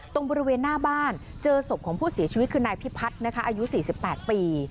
ตรงบริเวณหน้าบ้านเจอศพของผู้เสียชีวิตคือนายพิพัฒน์นะคะอายุ๔๘ปี